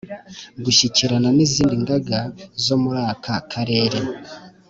Gushyikirana n izindi ngaga zo muri aka karere